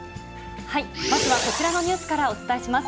まずはこちらのニュースからお伝えします。